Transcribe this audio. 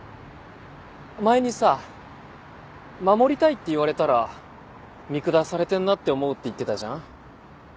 前にさ「守りたい」って言われたら「見下されてんな」って思うって言ってたじゃん。